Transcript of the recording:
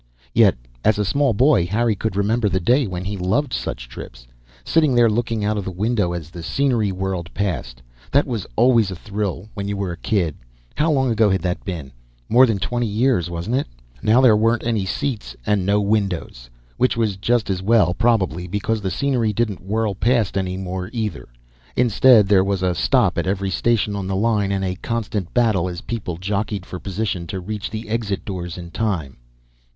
Yet, as a small boy, Harry could remember the day when he'd loved such trips. Sitting there looking out of the window as the scenery whirled past that was always a thrill when you were a little kid. How long ago had that been? More than twenty years, wasn't it? Now there weren't any seats, and no windows. Which was just as well, probably, because the scenery didn't whirl past any more, either. Instead, there was a stop at every station on the line, and a constant battle as people jockeyed for position to reach the exit doors in time.